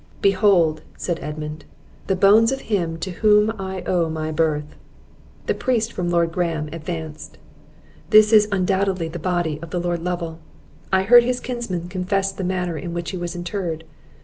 "Behold," said Edmund, "the bones of him to whom I owe my birth!" The priest from Lord Graham's advanced. "This is undoubtedly the body of the Lord Lovel; I heard his kinsman confess the manner in which he was interred.